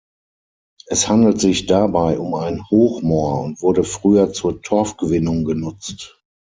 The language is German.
Es handelt sich dabei um ein Hochmoor und wurde früher zur Torfgewinnung genutzt.